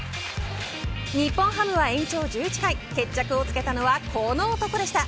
日本ハムは延長１１回決着をつけたのはこの男でした。